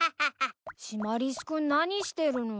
シマリス君何してるの？